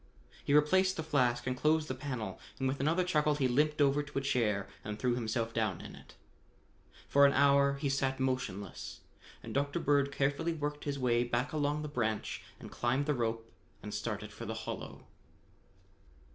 He replaced the flask and closed the panel, and with another chuckle he limped over to a chair and threw himself down in it. For an hour he sat motionless and Dr. Bird carefully worked his way back along the branch and climbed the rope and started for the hollow.